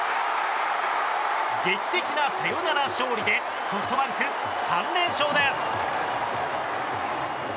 劇的なサヨナラ勝利でソフトバンク、３連勝です。